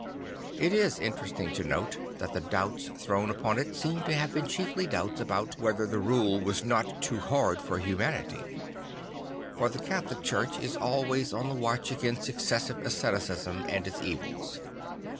I t is interesting to note that the doubts thrown upon it seem to have been chiefly doubts about whether the rule was not too hard for humanity, for the Catholic Church is ahvays on the watch against excessive asceticism and its evils.